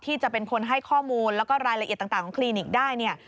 ที่จะเป็นคนให้ข้อมูลแล้วก็รายละเอียดต่างของคลินิกได้เนี่ย